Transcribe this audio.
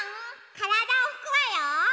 からだをふくわよ。